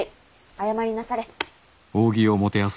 謝りなされ。